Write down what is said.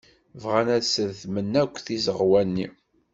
Bɣan ad sretmen akk tizeɣwa-nni.